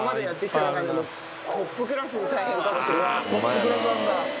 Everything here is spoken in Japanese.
トップクラスなんだ。